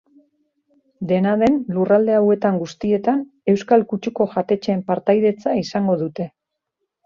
Dena den, lurralde hauetan guztietan euskal kutsuko jatetxeen partaidetza izango dute.